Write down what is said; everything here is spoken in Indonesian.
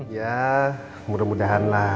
ya mudah mudahan lah